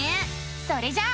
それじゃあ。